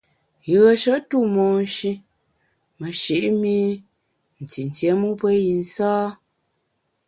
Yùeshe tu monshi meshi’ mi ntintié mu pe yi nsâ.